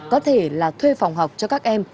có thể là thuê phòng học cho các em